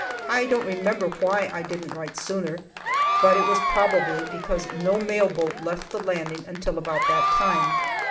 I don't remember why I didn't write sooner, but it was probably because no mail boat left the landing until about that time.